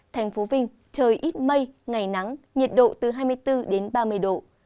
thành phố vinh trời ít mây ngày nắng nhiệt độ từ hai mươi bốn đến ba mươi độ